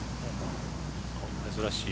珍しい。